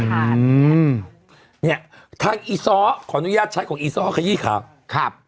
อืมเนี่ยทางอีซ้อขออนุญาตใช้ของอีซ้อขยี้ข่าวครับ